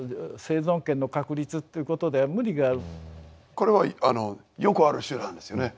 これはよくある手段ですよね。